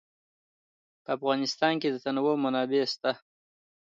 په افغانستان کې د تنوع منابع شته.